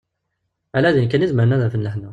Ala din kan i zemren ad afen lehna.